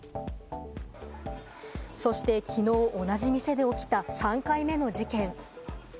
そしてきのう、同じ店で起きた３回目の事件。